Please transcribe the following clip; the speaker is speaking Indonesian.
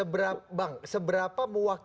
bang seberapa muak